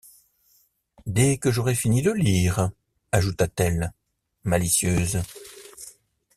Dès que j’aurai fini de lire, ajouta-t-elle, malicieuse.